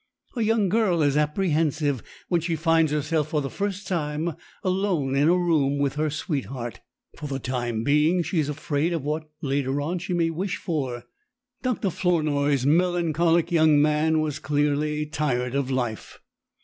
A young girl is apprehensive when she finds herself for the first time alone in a room with her sweetheart. For the time being she is afraid of what later on she may wish for. Dr. Flournoy's melancholic young man was clearly tired of life.